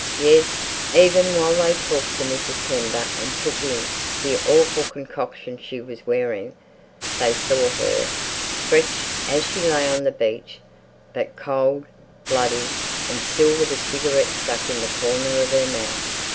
Yes, even while they talked to Mrs. Kember and took in the awful concoction she was wearing, they saw her, stretched as she lay on the beach; but cold, bloody, and still with a cigarette stuck in the corner of her mouth.